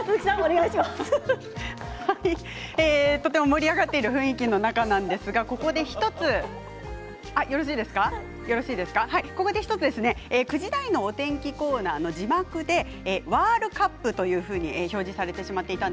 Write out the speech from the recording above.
盛り上がっている雰囲気の中なんですが、ここで１つ９時台のお天気コーナーの字幕でワールカップと表示されてしまいました。